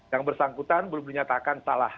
yang bersangkutan belum dinyatakan salah